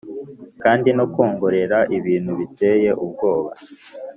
kandi no kwongorera ibintu biteye ubwoba;